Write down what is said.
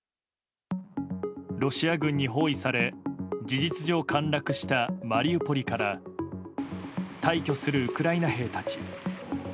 ロシア軍に包囲され事実上陥落したマリウポリから退去するウクライナ兵たち。